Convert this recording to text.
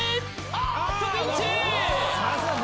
あーっとピンチー！